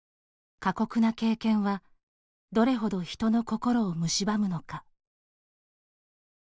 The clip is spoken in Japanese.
過酷な経験はどれほど人の心をむしばむのか。